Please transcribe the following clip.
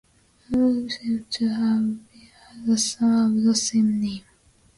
Amadocus seems to have had a son of the same name.